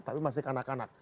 tapi masih kanak kanak